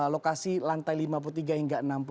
lokasi lantai lima puluh tiga hingga enam puluh